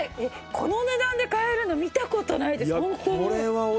この値段で買えるの見た事ないです。